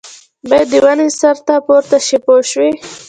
باید د ونې سر ته پورته شي پوه شوې!.